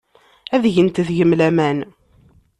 Ad gent deg-m laman.